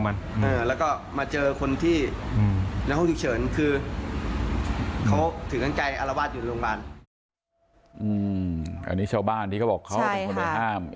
อันนี้ชาวบ้านที่เขาบอกเขาเป็นคนไปห้าม